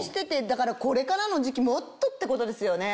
だからこれからの時期もっとってことですよね。